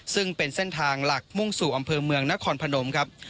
ซึ่งเป็นเส้นทางหลักมุ่งสู่อำเภอเมืองนครพนมครับ